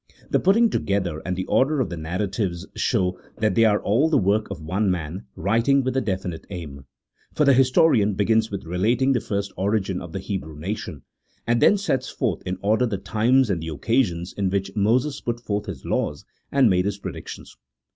The putting together, and the order of the narratives, show that they are all the work of one man, writing with a definite aim ; for the historian begins with relating the first origin of the Hebrew nation, and then sets forth in order the times and the occasions in which Moses put forth his laws, and made his predictions.